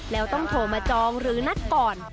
แล้วต้องโทรมาจองหรือนัดก่อน